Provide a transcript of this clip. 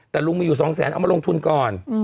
แต่ลุงมีอยู่๒แสนเอามาลงทุนก่อน